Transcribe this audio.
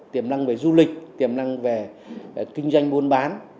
tiềm năng về du lịch tiềm năng về kinh doanh buôn bán